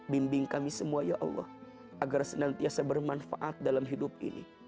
bimbing kami semua ya allah agar senantiasa bermanfaat dalam hidup ini